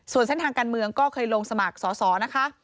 ส่วนเส้นทางการเมืองก็เคยลงสมัครสอสอนะคะ